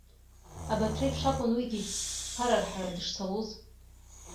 Абарҭ реиԥш акәын уигьы ԥара рҳара дышцалоз.